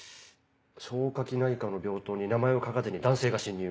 「消化器内科の病棟に名前を書かずに男性が侵入」。